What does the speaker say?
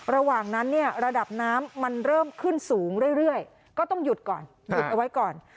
ระหว่างนั้นเนี่ยระดับน้ำมันเริ่มขึ้นสูงเรื่อยก็ต้องหยุดก่อนหยุดเอาไว้ก่อน